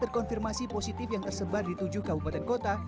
terkonfirmasi positif yang tersebar di tujuh kabupaten kota